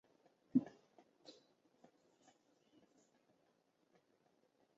例子和更多的讯息请见锐音符。